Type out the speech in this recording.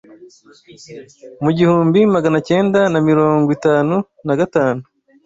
Mu igihumbi maganacyenda na mirongwitanu nagatanu